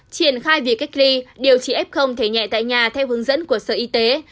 triển khai việc cách ly điều trị f thể nhẹ tại nhà theo hướng dẫn của sở y tế